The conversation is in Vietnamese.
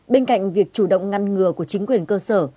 bên cạnh việc chủ động ngăn ngừa của chính quyền cơ sở